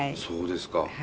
そうですか。